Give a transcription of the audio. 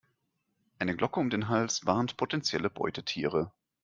Eine Glocke um den Hals warnt potenzielle Beutetiere.